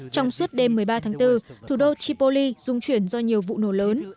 trong suốt đêm một mươi ba tháng bốn thủ đô tripoli dung chuyển do nhiều vụ nổ lớn